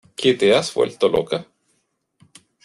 ¿Que te has vuelto loca?